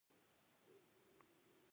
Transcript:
چپه خوله، د زغم نښه ده.